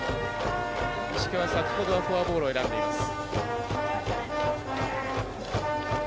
石川は先ほどはフォアボールを選んでいます。